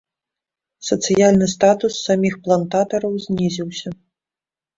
Сацыяльны статус саміх плантатараў знізіўся.